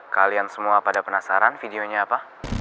kalian semua pada penasaran videonya apa